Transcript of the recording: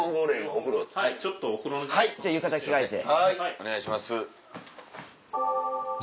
お願いします。